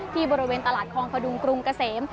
บริเวณตลาดคลองพดุงกรุงเกษม